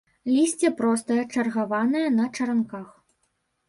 Лісце простае, чаргаванае, на чаранках.